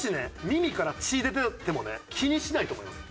耳から血出ててもね気にしないと思います。